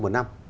chúng ta cần